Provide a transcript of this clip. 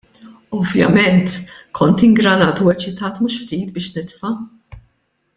Ovvjament, kont ingranat u eċitat mhux ftit biex nitfa'.